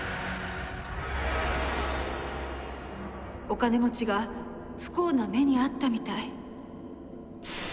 お金持ちが不幸な目に遭ったみたい。